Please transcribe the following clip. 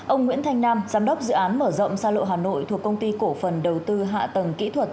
ông nguyễn thanh nam giám đốc dự án mở rộng xa lộ hà nội thuộc công ty cổ phần đầu tư hạ tầng kỹ thuật